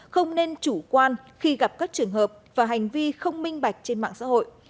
không nên chủ quan khi gặp các trường hợp và hành vi không minh bạch trên mạng xã hội